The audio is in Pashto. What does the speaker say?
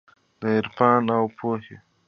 د عرفان اوپو هي